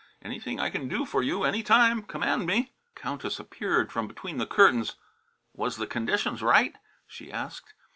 "Anything I can do for you, any time, command me." The Countess appeared from between the curtains. "Was the conditions right?" she asked.